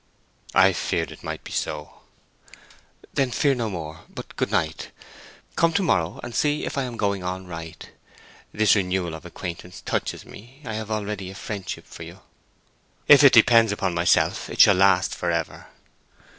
"I feared it might be so." "Then fear no more. But good night. Come to morrow and see if I am going on right. This renewal of acquaintance touches me. I have already a friendship for you." "If it depends upon myself it shall last forever."